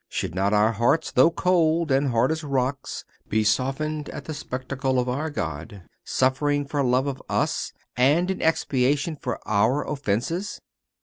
Should not our hearts, though cold and hard as rocks, be softened at the spectacle of our God suffering for love of us, and in expiation for our offences?